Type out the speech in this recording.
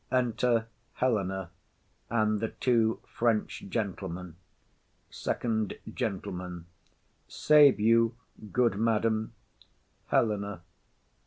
_] Enter Helena and the two Gentlemen. FIRST GENTLEMAN. Save you, good madam. HELENA.